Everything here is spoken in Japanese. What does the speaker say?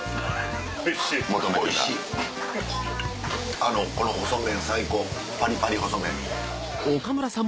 あのこの細麺最高パリパリ細麺。